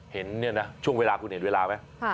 เห็นเนี่ยนะช่วงเวลาคุณเห็นเวลาไหม